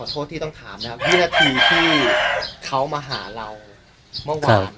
โทษที่ต้องถามนะครับวินาทีที่เขามาหาเราเมื่อวาน